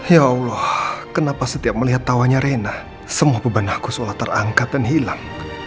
ya allah kenapa setiap melihat tawanya rena semua beban aku seolah terangkat dan hilang